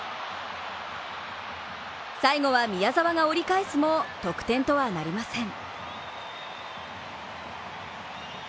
最後は宮澤が折り返すも得点とはなりません。